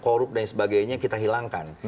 korup dan sebagainya kita hilangkan